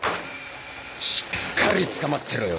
しっかりつかまってろよ